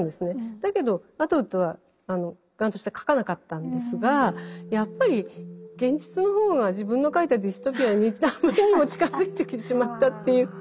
だけどアトウッドは頑として書かなかったんですがやっぱり現実の方が自分の書いたディストピアにあまりにも近づいてきてしまったっていう。